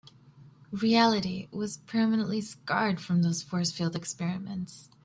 Reality was permanently scarred from those force field experiments.